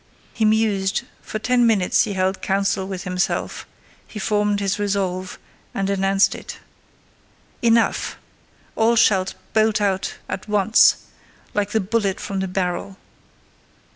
He mused—for ten minutes he held counsel with himself: he formed his resolve, and announced it— "Enough! all shall bolt out at once, like the bullet from the barrel.